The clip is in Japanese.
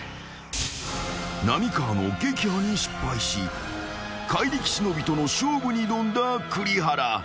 ［浪川の撃破に失敗し怪力忍との勝負に挑んだ栗原］